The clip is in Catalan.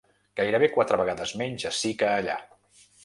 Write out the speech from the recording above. Gairebé quatre vegades menys ací que allà.